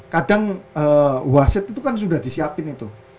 kadang wasit itu kan sudah disiapin itu